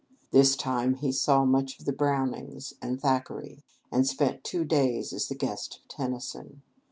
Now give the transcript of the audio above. This time he saw much of the Brownings and Thackeray, and spent two days as the guest of Tennyson.